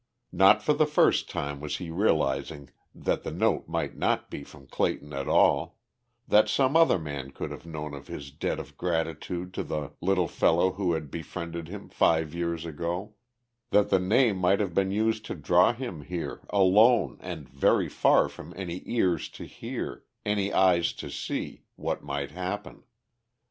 Not for the first time was he realizing that the note might not be from Clayton at all; that some other man could have known of his debt of gratitude to the little fellow who had befriended him five years ago; that the name might have been used to draw him here, alone and very far from any ears to hear, any eyes to see, what might happen.